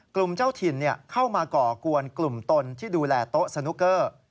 เจ้าถิ่นเข้ามาก่อกวนกลุ่มตนที่ดูแลโต๊ะสนุกเกอร์